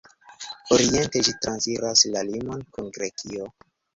Oriente ĝi transiras la limon kun Grekio.